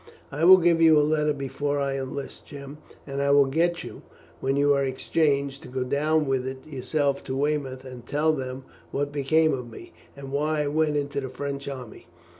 "I will give you a letter before I enlist, Jim; and I will get you, when you are exchanged, to go down with it yourself to Weymouth, and tell them what became of me, and why I went into the French army.